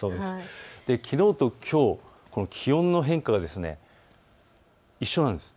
きのうときょう、気温の変化が一緒なんです。